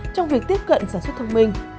trong việc tiếp cận sản xuất thông minh